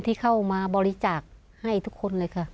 ที่เข้ามาบริจาคให้ทุกคนเลยค่ะ